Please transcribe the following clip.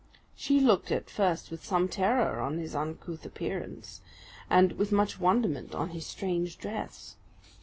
She looked at first with some terror on his uncouth appearance, and with much wonderment on his strange dress.